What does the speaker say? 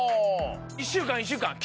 １週間１週間金